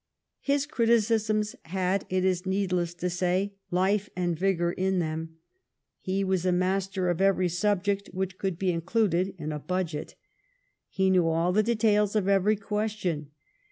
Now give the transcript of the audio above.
His criticisms had, it is needless to say, life and vigor in them. He was master of every sub THE CRIMEAN WAR 189 ject which could be included in a budget. He knew all the details of every question.